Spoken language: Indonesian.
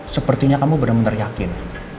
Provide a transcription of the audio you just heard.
sepertinya kamu bener bener yakin